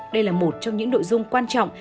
đây là một trong những nội dung quan trọng